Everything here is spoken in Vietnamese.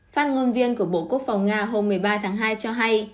phát ngôn viên của bộ quốc phòng nga hôm một mươi ba tháng hai cho hay